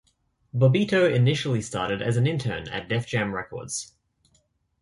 Bobbito initially started as an intern at Def Jam Records.